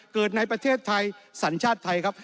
ในประเทศไทยสัญชาติไทยครับ